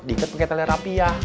dikit pake telerapia